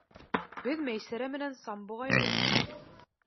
Беҙ Мәйсәрә менән самбоға йөрөнөк!